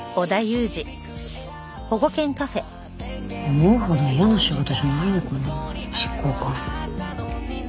思うほど嫌な仕事じゃないのかな執行官。